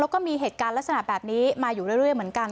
แล้วก็มีเหตุการณ์ลักษณะแบบนี้มาอยู่เรื่อยเหมือนกัน